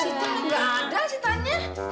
situ gak ada si tanya